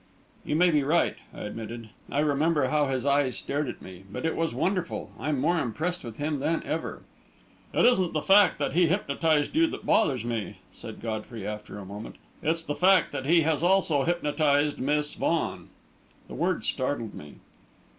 "You may be right," I admitted; "I remember how his eyes stared at me. But it was wonderful I'm more impressed with him than ever." "It isn't the fact that he hypnotised you that bothers me," said Godfrey, after a moment. "It's the fact that he has also hypnotised Miss Vaughan." The words startled me.